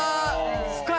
深い！